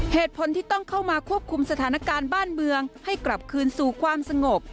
เหตุผลที่ต้องเข้ามาควบคุมสถานการณ์บ้านเมืองให้กลับคืนสู่ความสงบ